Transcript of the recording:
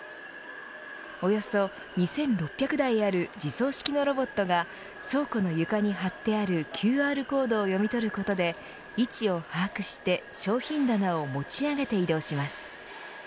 およそ２６００台ある自走式のロボットが倉庫の床に貼ってあるＱＲコードを読み取ることで位置を把握して商品棚を持ち上げて移動します。